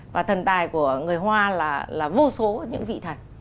và thần tài của người hoa là vô số những vị thần